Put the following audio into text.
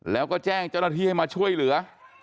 แล้วก็แจ้งเจ้าหน้าที่ให้มาช่วยเหลือ